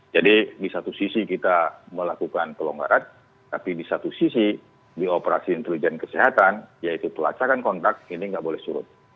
jadi di satu sisi kita melakukan pelonggaran tapi di satu sisi di operasi intelijen kesehatan yaitu pelacakan kontak ini tidak boleh surut